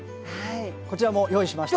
こちらも用意しました。